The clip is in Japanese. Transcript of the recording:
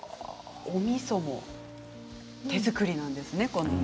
おみそも手作りなんですね。